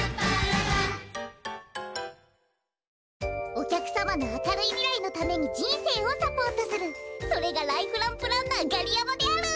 おきゃくさまのあかるいみらいのためにじんせいをサポートするそれがライフランプランナーガリヤマである。